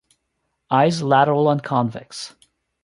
Eyes lateral and convex.